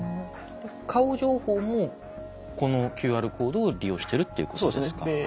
顔情報もこのＱＲコードを利用してるっていうことですか？